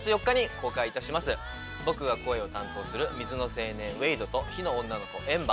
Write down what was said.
僕が声を担当する水の青年ウェイドと火の女の子エンバー。